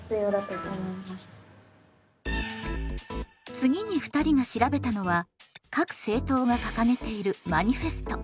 次に２人が調べたのは各政党が掲げているマニフェスト。